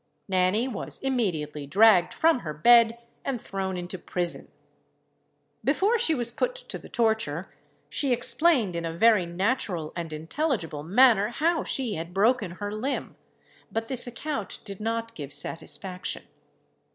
Nanny was immediately dragged from her bed and thrown into prison. Before she was put to the torture, she explained in a very natural and intelligible manner how she had broken her limb; but this account did not give satisfaction.